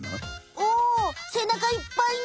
おおせなかいっぱいに。